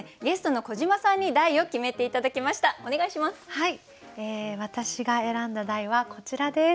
はい私が選んだ題はこちらです。